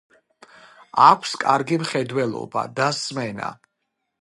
აქვს კარგი მხედველობა და სმენა.